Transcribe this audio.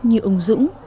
như ông dũng